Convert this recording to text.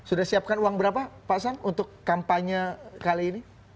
sudah siapkan uang berapa pak sam untuk kampanye kali ini